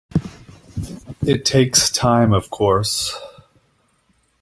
It takes time of course.